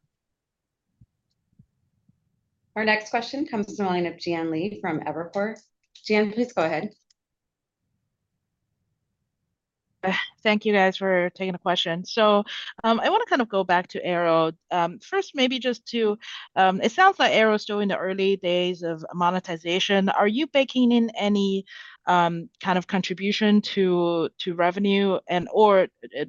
Our next question comes from the line of Jian Li from Evercore. Jian, please go ahead. Thank you, guys, for taking the question. So, I wanna kind of go back to Airo. First maybe just to. It sounds like Airo is still in the early days of monetization. Are you baking in any, kind of contribution to, to revenue and/or,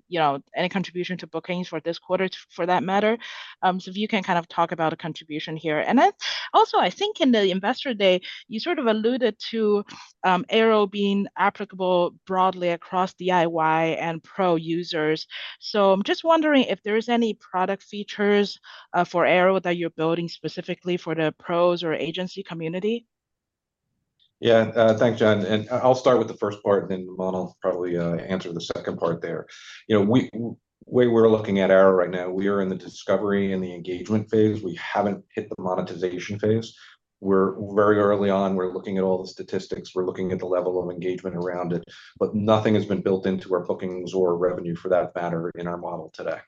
you know, any contribution to bookings for this quarter, for that matter? So if you can kind of talk about a contribution here. And then also, I think in the Investor Day, you sort of alluded to, Airo being applicable broadly across DIY and pro users. So I'm just wondering if there is any product features, for Airo that you're building specifically for the pros or agency community? Yeah, thanks, Jian. And I, I'll start with the first part, and then Vimal will probably answer the second part there. You know, where we're looking at Airo right now, we are in the discovery and the engagement phase. We haven't hit the monetization phase. We're very early on. We're looking at all the statistics, we're looking at the level of engagement around it, but nothing has been built into our bookings or revenue, for that matter, in our model today.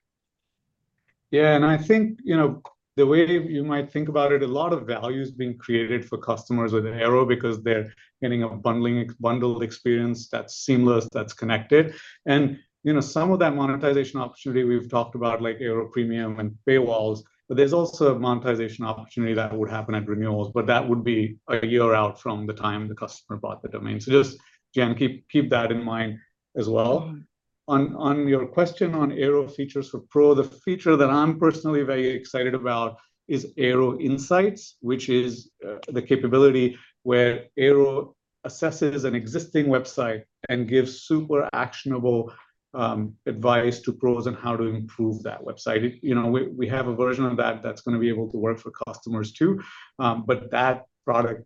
Yeah, and I think, you know, the way you might think about it, a lot of value is being created for customers with Airo because they're getting a bundling unbundled experience that's seamless, that's connected. And, you know, some of that monetization opportunity we've talked about, like Airo Premium and paywalls, but there's also a monetization opportunity that would happen at renewals, but that would be a year out from the time the customer bought the domain. So just, Jian, keep, keep that in mind as well. On, on your question on Airo features for Pro, the feature that I'm personally very excited about is Airo Insights, which is the capability where Airo assesses an existing website and gives super actionable advice to pros on how to improve that website. It. You know, we have a version of that that's gonna be able to work for customers, too. But that product,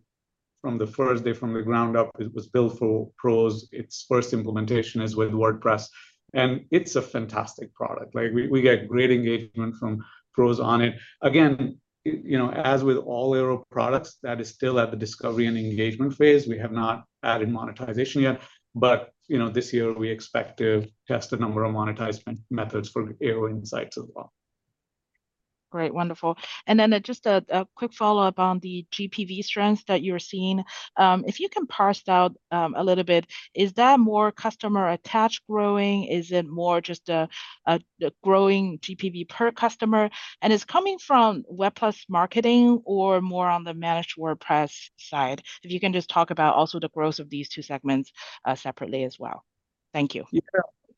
from the first day from the ground up, it was built for pros. Its first implementation is with WordPress, and it's a fantastic product. Like, we get great engagement from pros on it. Again, it, you know, as with all Airo products, that is still at the discovery and engagement phase. We have not added monetization yet, but, you know, this year we expect to test a number of monetization methods for Airo Insights as well. Great, wonderful. And then just a quick follow-up on the GPV strengths that you're seeing. If you can parse out a little bit, is that more customer attach growing? Is it more just a growing GPV per customer? And is it coming from Websites + Marketing or more on the Managed WordPress side? If you can just talk about also the growth of these two segments separately as well. Thank you. Yeah.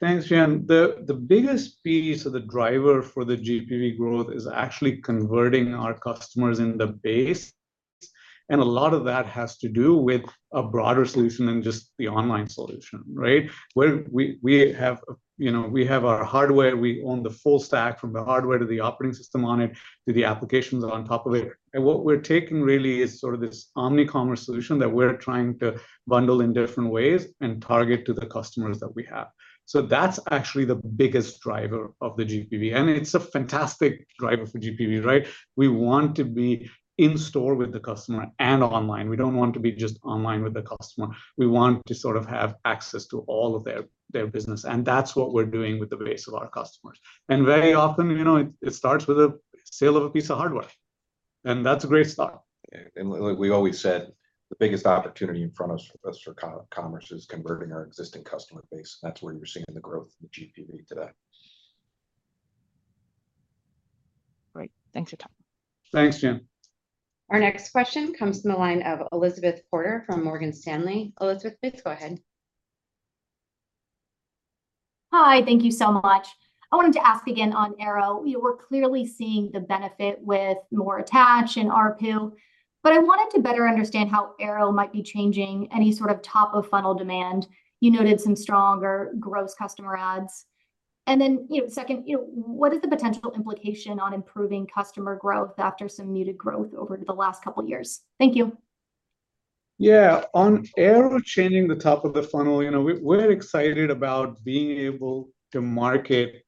Thanks, Jian. The biggest piece or the driver for the GPV growth is actually converting our customers in the base, and a lot of that has to do with a broader solution than just the online solution, right? Where we have, you know, our hardware, we own the full stack, from the hardware to the operating system on it, to the applications on top of it. And what we're taking really is sort of this omnicommerce solution that we're trying to bundle in different ways and target to the customers that we have. So that's actually the biggest driver of the GPV, and it's a fantastic driver for GPV, right? We want to be in store with the customer and online. We don't want to be just online with the customer. We want to sort of have access to all of their business, and that's what we're doing with the base of our customers. And very often, you know, it starts with a sale of a piece of hardware, and that's a great start. Yeah, and like we've always said, the biggest opportunity in front of us for e-commerce is converting our existing customer base. That's where we're seeing the growth in the GPV today. Great. Thanks for your time. Thanks, Jian. Our next question comes from the line of Elizabeth Porter from Morgan Stanley. Elizabeth, please go ahead. Hi, thank you so much. I wanted to ask again on Airo. You know, we're clearly seeing the benefit with more attach in ARPU, but I wanted to better understand how Airo might be changing any sort of top-of-funnel demand. You noted some stronger gross customer adds. And then, you know, second, you know, what is the potential implication on improving customer growth after some muted growth over the last couple of years? Thank you. Yeah, on Airo changing the top of the funnel, you know, we're, we're excited about being able to market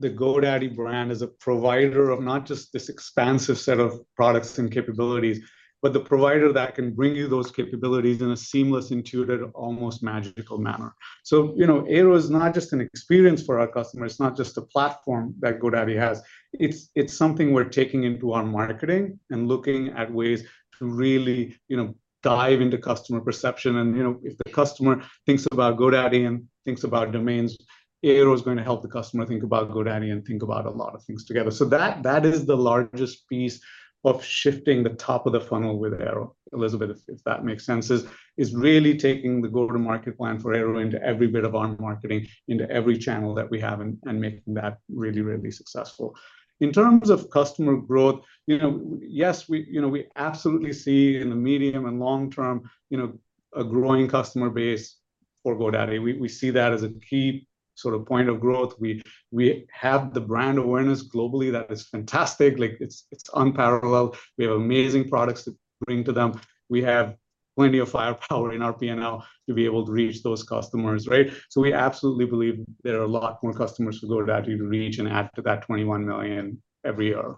the GoDaddy brand as a provider of not just this expansive set of products and capabilities, but the provider that can bring you those capabilities in a seamless, intuitive, almost magical manner. So, you know, Airo is not just an experience for our customer, it's not just a platform that GoDaddy has, it's, it's something we're taking into our marketing and looking at ways to really, you know, dive into customer perception. And, you know, if the customer thinks about GoDaddy and thinks about domains, Airo is gonna help the customer think about GoDaddy and think about a lot of things together. So that, that is the largest piece of shifting the top of the funnel with Airo, Elizabeth, if, if that makes sense. is really taking the go-to-market plan for Airo into every bit of our marketing, into every channel that we have and, and making that really, really successful. In terms of customer growth, you know, yes, we, you know, we absolutely see in the medium and long-term, you know, a growing customer base for GoDaddy. We, we see that as a key sort of point of growth. We, we have the brand awareness globally that is fantastic. Like, it's, it's unparalleled. We have amazing products to bring to them. We have plenty of firepower in our P&L to be able to reach those customers, right? So we absolutely believe there are a lot more customers for GoDaddy to reach and add to that 21 million every year.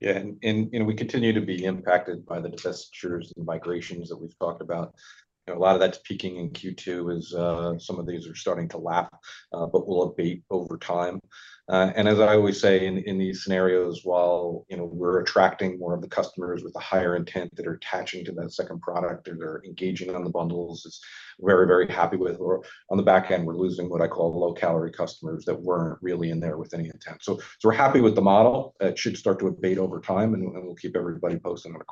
Yeah, and you know, we continue to be impacted by the divestitures and migrations that we've talked about. You know, a lot of that's peaking in Q2, as some of these are starting to lap, but will abate over time. And as I always say in these scenarios, while you know, we're attracting more of the customers with a higher intent that are attaching to that second product or they're engaging on the bundles, it's very, very happy with. Or on the back end, we're losing what I call low-calorie customers that weren't really in there with any intent. So we're happy with the model. It should start to abate over time, and we'll keep everybody posted on a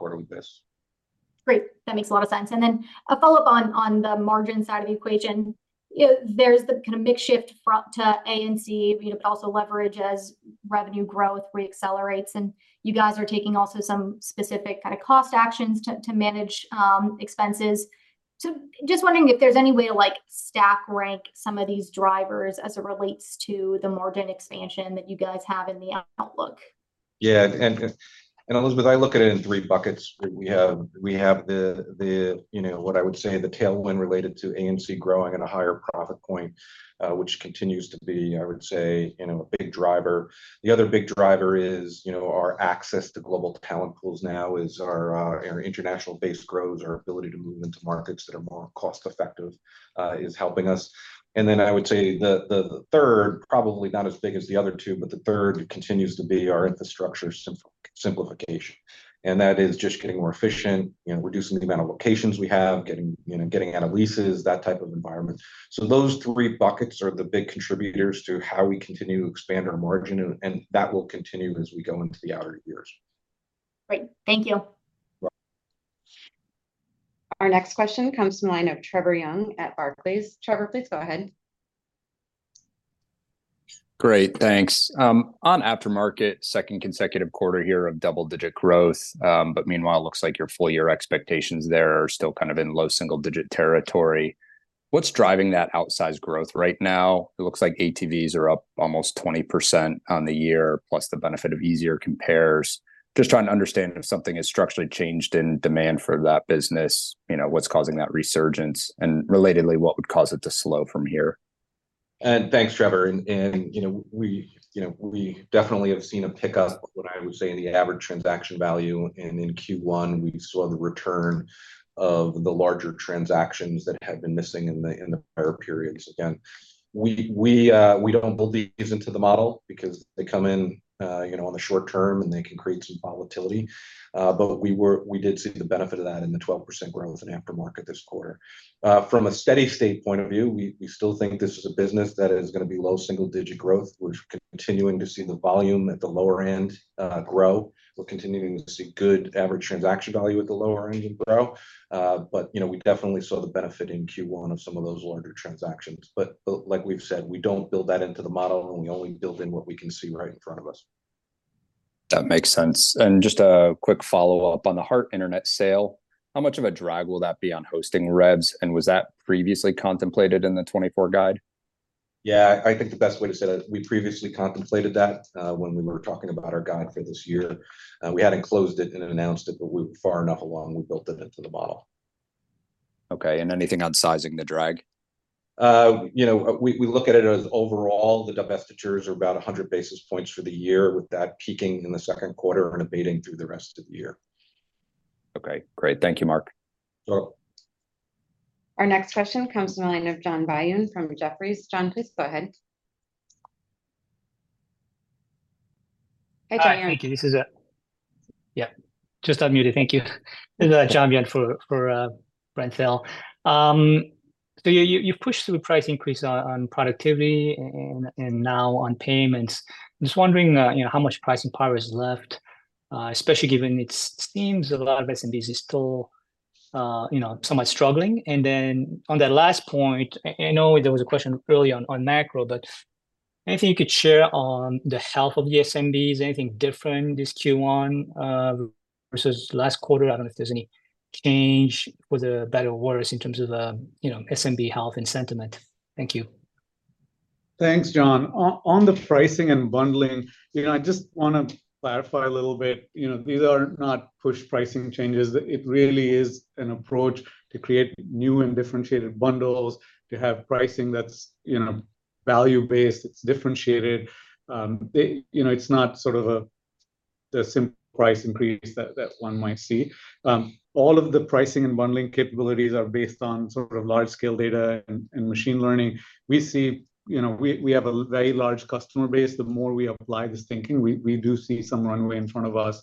quarterly basis. Great, that makes a lot of sense. And then a follow-up on the margin side of the equation. You know, there's the kind of mix shift from to A&C, you know, but also leverage as revenue growth re-accelerates, and you guys are taking also some specific kind of cost actions to manage expenses. So just wondering if there's any way to, like, stack rank some of these drivers as it relates to the margin expansion that you guys have in the outlook? Yeah, and, and Elizabeth, I look at it in three buckets. We have, we have the, the, you know, what I would say the tailwind related to A&C growing at a higher profit point, which continues to be, I would say, you know, a big driver. The other big driver is, you know, our access to global talent pools now is our, our international base grows. Our ability to move into markets that are more cost-effective, is helping us. And then I would say the, the, the third, probably not as big as the other two, but the third continues to be our infrastructure simplification, and that is just getting more efficient, you know, reducing the amount of locations we have, getting, you know, getting out of leases, that type of environment. So those three buckets are the big contributors to how we continue to expand our margin, and that will continue as we go into the outer years. Great. Thank you. Right. Our next question comes from the line of Trevor Young at Barclays. Trevor, please go ahead. Great, thanks. On Aftermarket, second consecutive quarter here of double-digit growth, but meanwhile, it looks like your full year expectations there are still kind of in low single-digit territory. What's driving that outsized growth right now? It looks like ATVs are up almost 20% on the year, plus the benefit of easier compares. Just trying to understand if something has structurally changed in demand for that business, you know, what's causing that resurgence? And relatedly, what would cause it to slow from here? Thanks, Trevor, and, you know, we definitely have seen a pickup of what I would say the average transaction value, and in Q1, we saw the return of the larger transactions that had been missing in the prior periods. Again, we don't build these into the model because they come in, you know, on the short-term, and they can create some volatility. But we did see the benefit of that in the 12% growth in Aftermarket this quarter. From a steady state point of view, we still think this is a business that is gonna be low single-digit growth. We're continuing to see the volume at the lower end grow. We're continuing to see good average transaction value at the lower end grow. But, you know, we definitely saw the benefit in Q1 of some of those larger transactions. But like we've said, we don't build that into the model, and we only build in what we can see right in front of us. That makes sense. Just a quick follow-up on the Heart Internet sale. How much of a drag will that be on hosting revs, and was that previously contemplated in the 2024 guide? Yeah, I think the best way to say that, we previously contemplated that, when we were talking about our guide for this year. We hadn't closed it and announced it, but we were far enough along, we built it into the model. Okay, and anything on sizing the drag? You know, we look at it as overall, the divestitures are about 100 basis points for the year, with that peaking in the second quarter and abating through the rest of the year. Okay, great. Thank you, Mark. Sure. Our next question comes from the line of John Byun from Jefferies. John, please go ahead. Hi, John. Hi, thank you. This is. Yeah, just unmuted. Thank you. This is John Byun for Brent Thill. So you, you've pushed through a price increase on productivity and now on payments. Just wondering, you know, how much pricing power is left, especially given it seems a lot of SMBs is still, you know, somewhat struggling. And then on that last point, I know there was a question early on macro, but anything you could share on the health of the SMBs, anything different this Q1 versus last quarter? I don't know if there's any change, whether better or worse, in terms of, you know, SMB health and sentiment. Thank you. Thanks, John. On the pricing and bundling, you know, I just wanna clarify a little bit, you know, these are not pushed pricing changes. It really is an approach to create new and differentiated bundles, to have pricing that's, you know, value-based, it's differentiated. They, you know, it's not sort of a price increase that one might see. All of the pricing and bundling capabilities are based on sort of large scale data and machine learning. We see. You know, we have a very large customer base. The more we apply this thinking, we do see some runway in front of us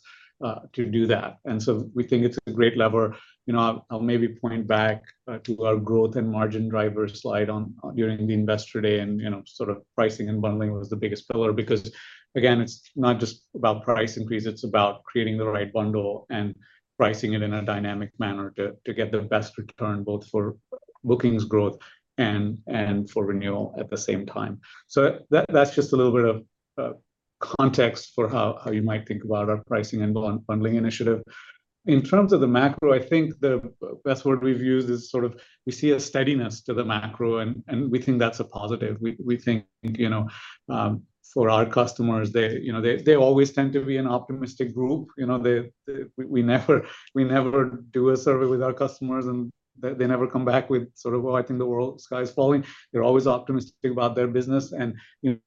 to do that, and so we think it's a great lever. You know, I'll maybe point back to our growth and margin drivers slide on during the Investor Day, and, you know, sort of pricing and bundling was the biggest pillar. Because again, it's not just about price increase, it's about creating the right bundle and pricing it in a dynamic manner to get the best return, both for bookings, growth, and for renewal at the same time. So that's just a little bit of context for how you might think about our pricing and bundling initiative. In terms of the macro, I think the best word we've used is sort of we see a steadiness to the macro, and we think that's a positive. We think, you know, for our customers, they, you know, they always tend to be an optimistic group. You know, we never do a survey with our customers and they never come back with sort of, "Well, I think the sky is falling." They're always optimistic about their business, and, you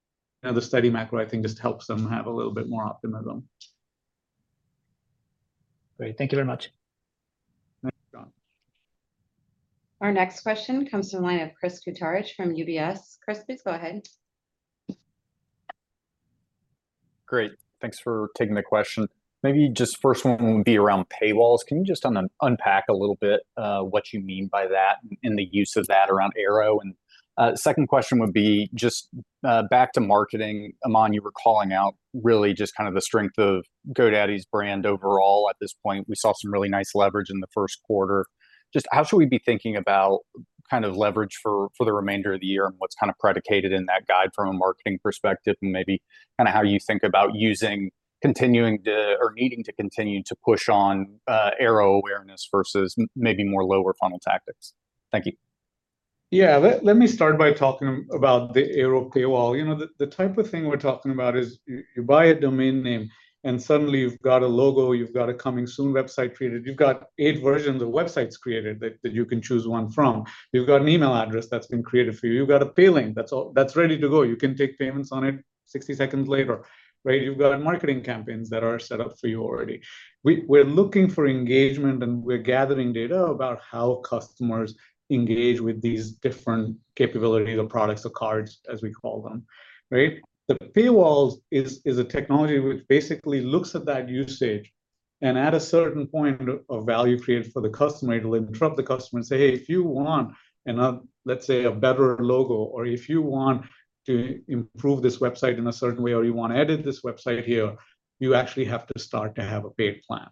know, the steady macro I think just helps them have a little bit more optimism. Great. Thank you very much. Thanks, John. Our next question comes from the line of Chris Kuntarich from UBS. Chris, please go ahead. Great. Thanks for taking the question. Maybe just first one will be around paywalls. Can you just unpack a little bit, what you mean by that and the use of that around Airo? And, second question would be just, back to marketing. Aman, you were calling out really just kind of the strength of GoDaddy's brand overall at this point. We saw some really nice leverage in the first quarter. Just how should we be thinking about kind of leverage for the remainder of the year, and what's kind of predicated in that guide from a marketing perspective? And maybe kind a how you think about using, continuing to or needing to continue to push on, Airo awareness versus maybe more lower funnel tactics. Thank you. Yeah, let me start by talking about the Airo. You know, the type of thing we're talking about is you buy a domain name, and suddenly you've got a logo, you've got a coming soon website created, you've got 8 versions of websites created that you can choose one from. You've got an email address that's been created for you. You've got a Pay Link that's ready to go. You can take payments on it 60 seconds later, right? You've got marketing campaigns that are set up for you already. We're looking for engagement, and we're gathering data about how customers engage with these different capabilities or products or cards, as we call them, right? The paywalls is a technology which basically looks at that usage, and at a certain point of value created for the customer to then interrupt the customer and say, "Hey, if you want another, let's say, a better logo, or if you want to improve this website in a certain way, or you want to edit this website here, you actually have to start to have a paid plan.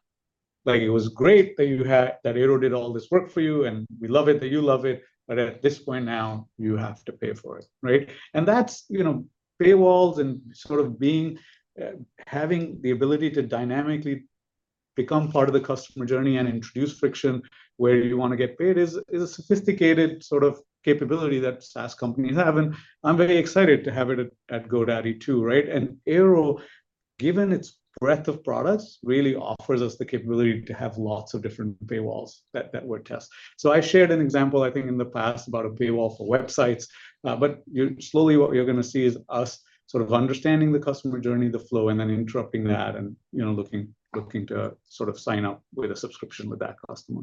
Like, it was great that you had. that Airo did all this work for you, and we love it, that you love it, but at this point now, you have to pay for it," right? And that's, you know, paywalls and sort of being having the ability to dynamically become part of the customer journey and introduce friction where you wanna get paid is a sophisticated sort of capability that SaaS companies have, and I'm very excited to have it at GoDaddy too, right? And Airo, given its breadth of products, really offers us the capability to have lots of different paywalls that we're testing. So I shared an example, I think, in the past about a paywall for websites, but slowly what you're gonna see is us sort of understanding the customer journey, the flow, and then interrupting that and, you know, looking to sort of sign up with a subscription with that customer.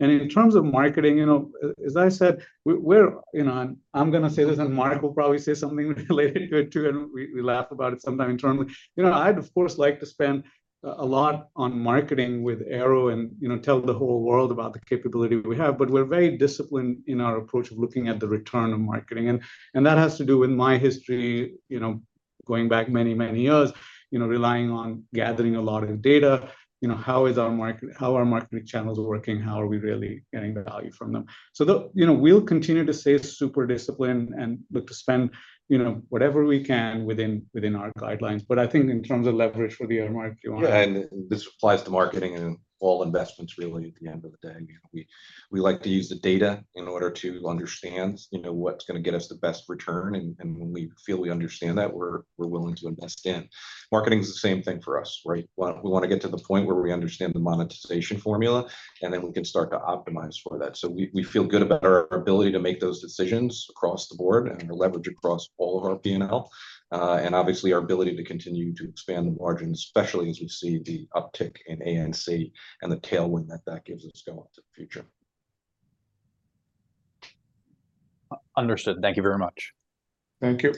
And in terms of marketing, you know, as I said, we're, you know. And I'm gonna say this, and Mark will probably say something related to it too, and we laugh about it sometimes internally. You know, I'd, of course, like to spend a lot on marketing with Airo and, you know, tell the whole world about the capability we have, but we're very disciplined in our approach of looking at the return on marketing, and that has to do with my history, you know, going back many, many years, you know, relying on gathering a lot of data. You know, how are marketing channels working? How are we really getting the value from them? So, you know, we'll continue to stay super disciplined and look to spend, you know, whatever we can within our guidelines. But I think in terms of leverage for the year, Mark, you wanna. Yeah, and this applies to marketing and all investments really at the end of the day. We, we like to use the data in order to understand, you know, what's gonna get us the best return, and, and when we feel we understand that, we're, we're willing to invest in. Marketing's the same thing for us, right? We wanna, we wanna get to the point where we understand the monetization formula, and then we can start to optimize for that. So we, we feel good about our ability to make those decisions across the board and the leverage across all of our PNL, and obviously, our ability to continue to expand the margins, especially as we see the uptick in A&C and the tailwind that that gives us going into the future. Understood. Thank you very much. Thank you.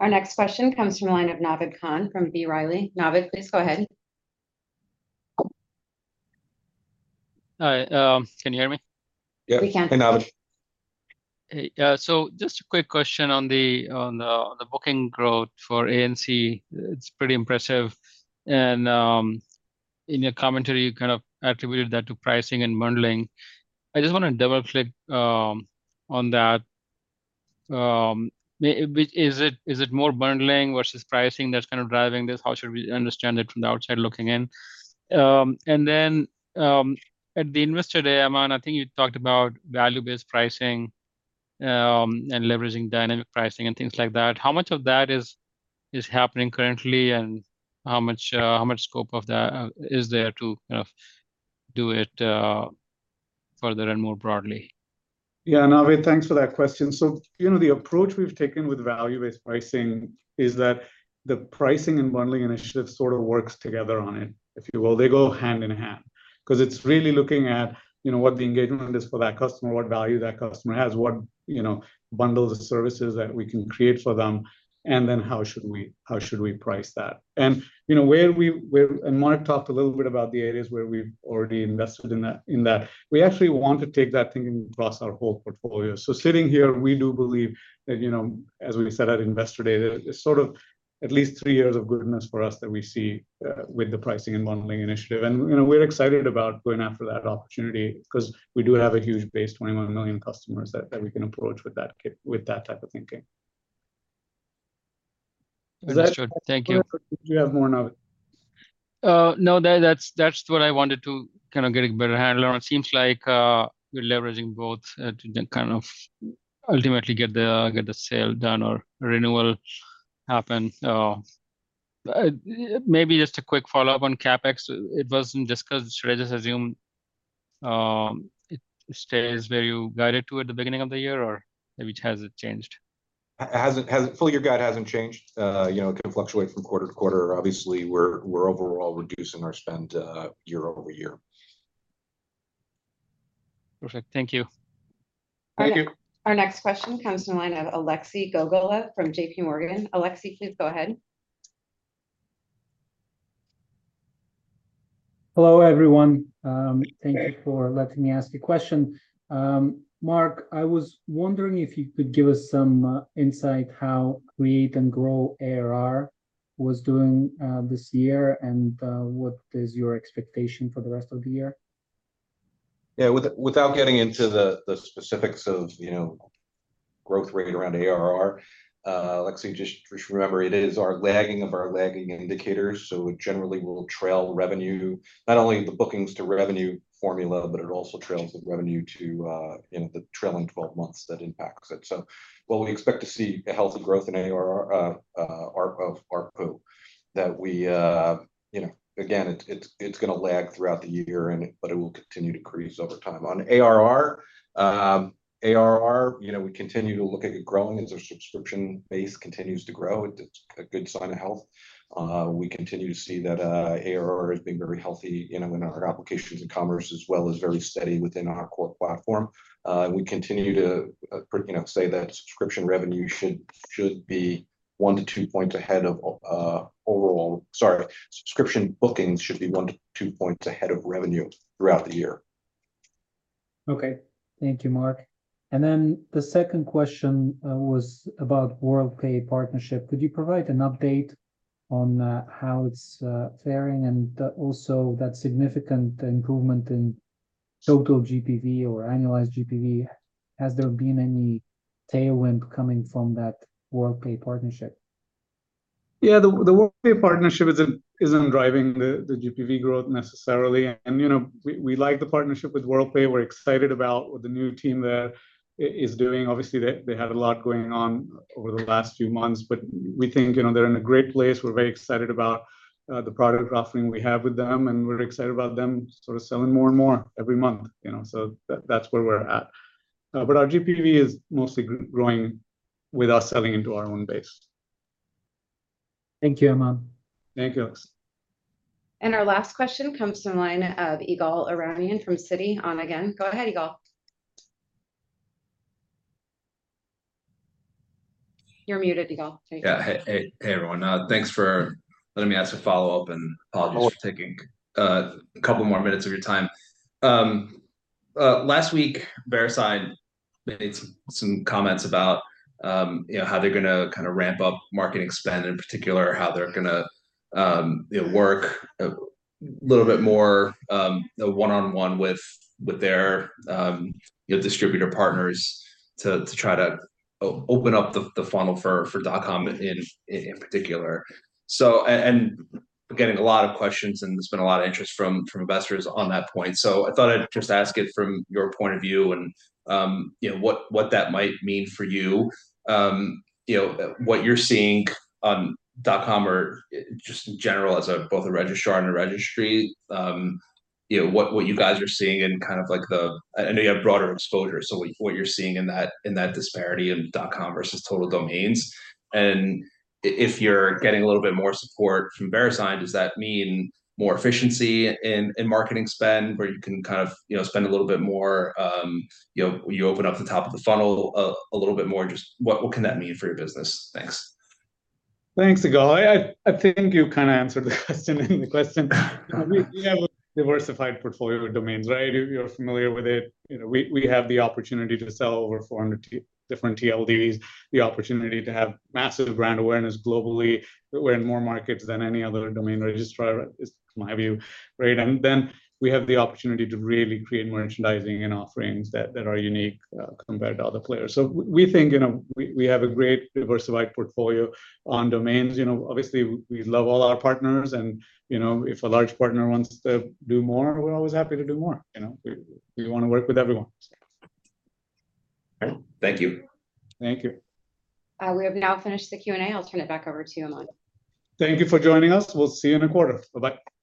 Our next question comes from the line of Naved Khan from B. Riley. Naved, please go ahead. Hi, can you hear me? Yeah. We can. Hey, Naved. Hey, so just a quick question on the booking growth for A&C. It's pretty impressive, and in your commentary, you kind of attributed that to pricing and bundling. I just wanna double-click on that. Which is it, is it more bundling versus pricing that's kind of driving this? How should we understand it from the outside looking in? And then, at the Investor Day, Aman, I think you talked about value-based pricing and leveraging dynamic pricing and things like that. How much of that is happening currently, and how much scope of that is there to, you know, do it further and more broadly? Yeah, Naved, thanks for that question. So, you know, the approach we've taken with value-based pricing is that the pricing and bundling initiative sort of works together on it, if you will. They go hand in hand, 'cause it's really looking at, you know, what the engagement is for that customer, what value that customer has, what, you know, bundles of services that we can create for them, and then how should we- how should we price that? And, you know, where we and Mark talked a little bit about the areas where we've already invested in that, in that. We actually want to take that thinking across our whole portfolio. So sitting here, we do believe that, you know, as we said at Investor Day, it's sort of at least three years of goodness for us that we see with the pricing and bundling initiative. You know, we're excited about going after that opportunity, 'cause we do have a huge base, 21 million customers that we can approach with that type of thinking. That's true. Thank you. Do you have more now? No, that's what I wanted to kind of get a better handle on. It seems like you're leveraging both to then kind of ultimately get the sale done or renewal happen. Maybe just a quick follow-up on CapEx. It wasn't discussed. Should I just assume it stays where you guided to at the beginning of the year, or maybe has it changed? Hasn't. Full-year guide hasn't changed. You know, it can fluctuate from quarter to quarter. Obviously, we're overall reducing our spend year-over-year. Perfect. Thank you. Thank you. Our next question comes from the line of Alexei Gogolev from JPMorgan. Alexei, please go ahead. Hello, everyone. Thank you for letting me ask a question. Mark, I was wondering if you could give us some insight how Create & Grow ARR was doing this year, and what is your expectation for the rest of the year? Yeah, without getting into the specifics of, you know, growth rate around ARR, Alexei, just remember, it is our lagging of our lagging indicators, so it generally will trail revenue, not only the bookings to revenue formula, but it also trails the revenue to, you know, the trailing 12 months that impacts it. So what we expect to see a healthy growth in ARR, AR of ARPU, that we. You know, again, it's gonna lag throughout the year, and but it will continue to increase over time. On ARR, ARR, you know, we continue to look at it growing as our subscription base continues to grow. It's a good sign of health. We continue to see that, ARR has been very healthy, you know, in our Applications and Commerce as well as very steady within Core Platform. we continue to, you know, say that subscription revenue should, should be 1-2 points ahead of, overall. Sorry, subscription bookings should be 1-2 points ahead of revenue throughout the year. Okay. Thank you, Mark. Then the second question was about Worldpay partnership. Could you provide an update on how it's faring, and also that significant improvement in total GPV or annualized GPV? Has there been any tailwind coming from that Worldpay partnership? Yeah, the Worldpay partnership isn't driving the GPV growth necessarily, and, you know, we like the partnership with Worldpay. We're excited about what the new team there is doing. Obviously, they had a lot going on over the last few months, but we think, you know, they're in a great place. We're very excited about the product offering we have with them, and we're excited about them sort of selling more and more every month, you know, so that's where we're at. But our GPV is mostly growing with us selling into our own base. Thank you, Aman. Thank you, Alexei. Our last question comes from the line of Ygal Arounian from Citi on again. Go ahead, Ygal. You're muted, Ygal. Yeah. Hey, hey, hey, everyone. Thanks for letting me ask a follow-up, and apologies for taking. Hello A couple more minutes of your time. Last week, Verisign made some comments about, you know, how they're gonna kind of ramp up marketing spend, in particular, how they're gonna, you know, work a little bit more, one-on-one with their, you know, distributor partners to try to open up the funnel for .com in particular. So, and we're getting a lot of questions, and there's been a lot of interest from investors on that point, so I thought I'd just ask it from your point of view and, you know, what that might mean for you. You know, what you're seeing on .com or just in general as both a registrar and a registry, you know, what you guys are seeing in kind of like the. I know you have broader exposure, so what, what you're seeing in that, in that disparity of .com versus total domains. And if you're getting a little bit more support from Verisign, does that mean more efficiency in, in marketing spend, where you can kind of, you know, spend a little bit more, you know, you open up the top of the funnel a, a little bit more? Just what, what can that mean for your business? Thanks. Thanks, Ygal. I, I think you kind of answered the question in the question. We, we have a diversified portfolio of domains, right? You're, you're familiar with it. You know, we, we have the opportunity to sell over 400 different TLDs, the opportunity to have massive brand awareness globally. We're in more markets than any other domain registrar is, in my view, right? And then we have the opportunity to really create more merchandising and offerings that, that are unique, compared to other players. So we think, you know, we, we have a great diversified portfolio on domains. You know, obviously, we love all our partners, and, you know, if a large partner wants to do more, we're always happy to do more. You know, we, we wanna work with everyone. Thank you. Thank you. We have now finished the Q&A. I'll turn it back over to you, Aman. Thank you for joining us. We'll see you in a quarter. Bye-bye.